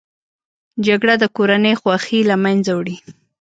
جګړه د کورنۍ خوښۍ له منځه وړي